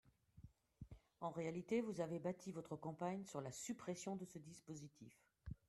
En vérité, vous avez bâti votre campagne sur la suppression de ce dispositif.